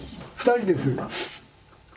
２人です。